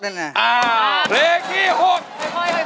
เพลงที่๖